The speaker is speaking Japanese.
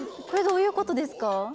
これどういうことですか？